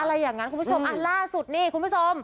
อะไรอย่างนั้นคุณผู้ชมอันล่าสุดนี่คุณผู้ชม